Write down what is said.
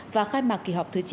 và khai mạc kỳ họp thứ chín